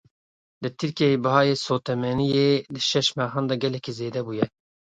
Li Tirkiyeyê bihayê sotemeniyê di şeş mehan de gelekî zêde bûye.